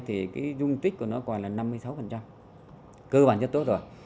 thì cái dung tích của nó còn là năm mươi sáu cơ bản rất tốt rồi